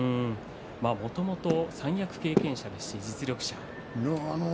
もともと三役経験者です実力者。